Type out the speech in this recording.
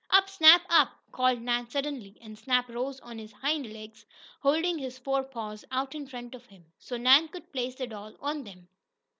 "Up, Snap! Up!" called Nan suddenly, and Snap rose on his hind legs, holding his fore paws out in front of him, so Nan could place the doll on them.